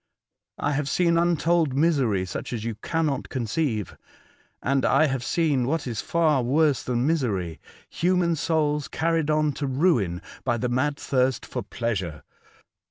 I have seen untold misery such as you cannot conceive, and I have seen what is far worse than misery, human souls carried on to ruin by the mad thirst for pleasure.